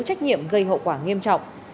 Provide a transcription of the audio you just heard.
trách nhiệm gây hậu quả nghiêm trọng